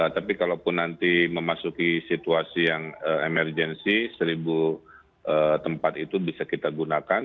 tapi kalau pun nanti memasuki situasi yang emergensi seribu tempat itu bisa kita gunakan